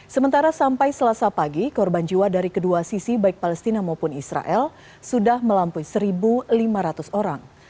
sementara sampai selasa pagi korban jiwa dari kedua sisi baik palestina maupun israel sudah melampaui satu lima ratus orang